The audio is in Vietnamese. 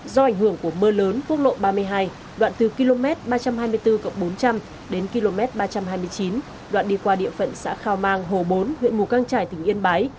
do ảnh hưởng của mưa lớn quốc lộ ba mươi hai đoạn từ km ba trăm hai mươi bốn bốn trăm linh đến km ba trăm hai mươi chín đoạn đi qua địa phận xã khao mang hồ bốn huyện mù căng trải tỉnh yên bái